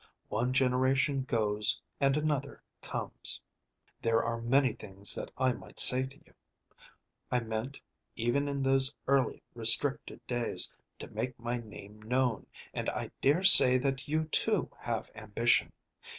One generation goes, and another comes. "There are many things that I might say to you. I meant, even in those early restricted days, to make my name known, and I dare say that you too have ambition.